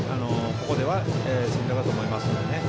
ここでは選択だと思いますね。